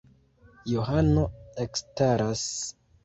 Johano ekstaras.